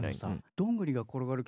どんぐりが転がる曲？